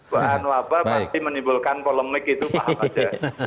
bahan wabah pasti menimbulkan polemik itu paham aja